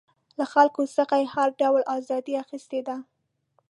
له خلکو څخه یې هر ډول ازادي اخیستې ده.